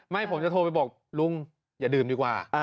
ไม่ผมจะโทรไปบอกลุงอย่าดื่มดีกว่า